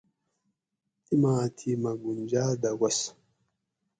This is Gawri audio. تیماۤ تھی مہ گونجا دہ وس